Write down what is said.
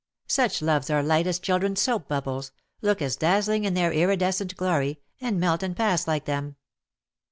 Such loves are light as children's soap bubbles, look as dazzling in their iridescent glory, and melt and pass like them.